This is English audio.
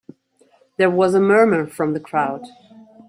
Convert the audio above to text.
There was a murmur from the crowd.